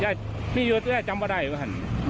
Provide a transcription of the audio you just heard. ย่ายไม่อยู่ตรงนี้มียกหยัดอีกแล้วอืม